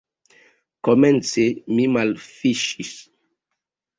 Komence mi malfidis.